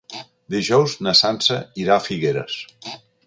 Dijous na Sança irà a Figueres.